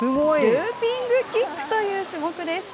ルーピングキックという種目です。